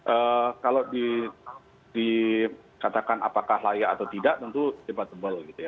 eem kalau di dikatakan apakah layak atau tidak tentu debat tebal gitu ya